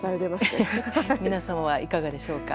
皆さんはいかがでしょうか。